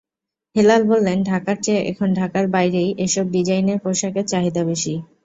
হেলাল বললেন, ঢাকার চেয়ে এখন ঢাকার বাইরেই এসব ডিজাইনের পোশাকের চাহিদা বেশি।